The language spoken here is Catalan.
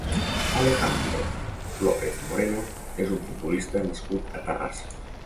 Alejandro López Moreno és un futbolista nascut a Terrassa.